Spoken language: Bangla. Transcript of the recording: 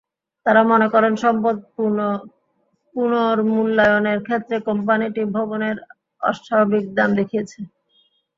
তাঁরা মনে করেন, সম্পদ পুনর্মূল্যায়নের ক্ষেত্রে কোম্পানিটি ভবনের অস্বাভাবিক দাম দেখিয়েছে।